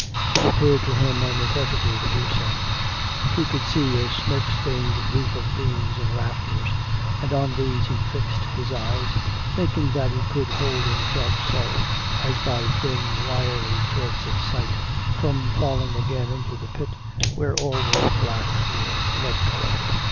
It appeared to him a necessity to do so. He could see a smoke stained roof of beams and rafters, and on these he fixed his eyes, thinking that he could hold himself so, as by thin, wiry threads of sight, from falling again into the pit where all was black or blood colour.